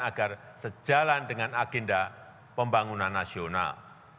agar sejalan dengan agenda pembangunan nasional